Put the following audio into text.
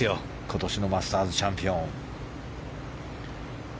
今年のマスターズチャンピオン。